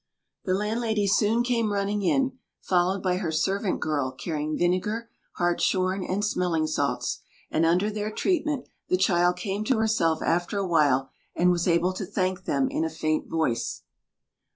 The landlady soon came running in, followed by her servant girl, carrying vinegar, hartshorn, and smelling salts; and under their treatment the child came to herself after a while, and was able to thank them in a faint voice.